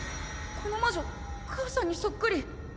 この魔女母さんにそっくり！